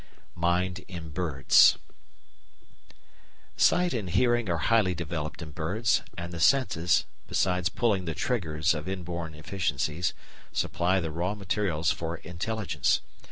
§ 5 Mind in Birds Sight and hearing are highly developed in birds, and the senses, besides pulling the triggers of inborn efficiencies, supply the raw materials for intelligence.